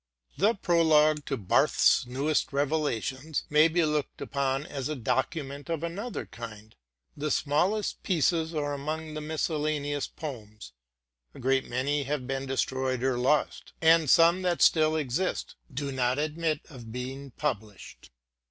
The prologue to '' Bahrdt's Newest Revelations'' may be looked upon as a document of another kind: the smallest pieces are among the miscellaneous poems, a great many have 174 TRUTH AND FICTION been destroyed or lost, and some that still exist do not admit of being published.